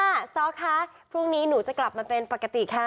ซ้อคะพรุ่งนี้หนูจะกลับมาเป็นปกติค่ะ